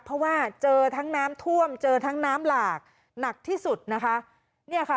เพราะว่าเจอทั้งน้ำท่วมเจอทั้งน้ำหลากหนักที่สุดนะคะเนี่ยค่ะ